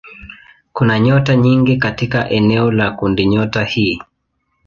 Kuna nyota nyingi katika eneo la kundinyota hii.